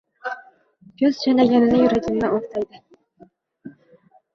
piyoz chaynagani yuragimni o‘rtaydi.